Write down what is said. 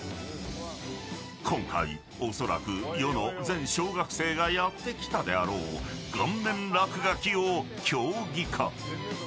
今回おそらく世の全小学生がやってきたであろう顔面落書きを競技化。